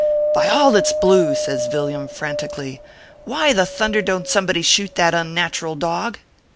" By all that s blue \" says Villiam, frantically, "why the thunder don t somebody shoot that un natural dog